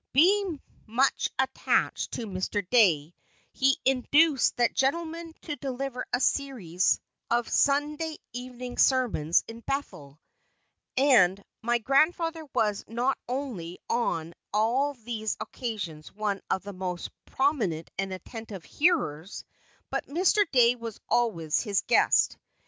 Being much attached to Mr. Dey, he induced that gentleman to deliver a series of Sunday evening sermons in Bethel; and my grandfather was not only on all these occasions one of the most prominent and attentive hearers, but Mr. Dey was always his guest.